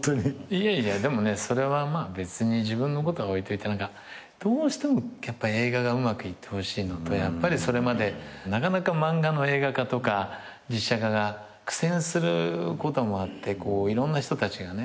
いやいやでもねそれは別に自分のことは置いといてどうしても映画がうまくいってほしいのとやっぱりそれまでなかなか漫画の映画化とか実写化が苦戦することもあっていろんな人たちがね